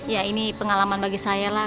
ya ini pengalaman bagi saya lah